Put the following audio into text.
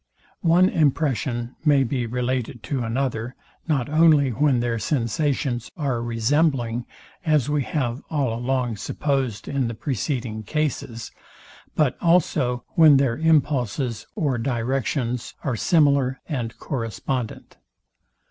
One impression may be related to another, not only when their sensations are resembling, as we have all along supposed in the preceding cases; but also when their impulses or directions are similar and correspondent.